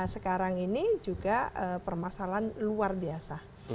sekarang ini juga permasalahan luar biasa